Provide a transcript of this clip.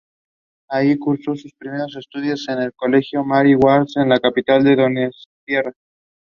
The couple lived in Geneva.